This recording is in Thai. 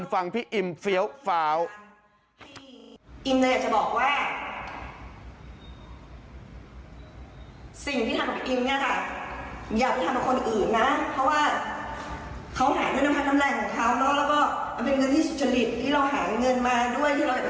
ฟังพี่อิมเฟี้ยวฟ้าว